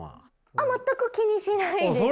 あっ全く気にしないです。